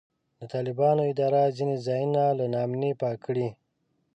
د طالبانو اداره ځینې ځایونه له نا امنۍ پاک کړي.